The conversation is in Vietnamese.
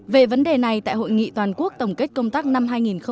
về vấn đề này tại hội nghị toàn quốc tổng kết công tác năm hai nghìn một mươi chín